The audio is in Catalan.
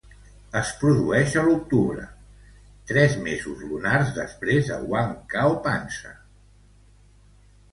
Es produeix a l'octubre, tres mesos lunars després de "Wan Kao Pansa".